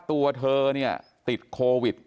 ตัวเธอติดโควิด